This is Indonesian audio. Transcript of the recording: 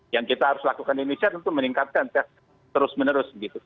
yang kita harus lakukan di indonesia tentu meningkatkan tes terus menerus